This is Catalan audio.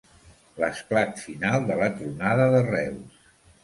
L'esclat final de la tronada de Reus.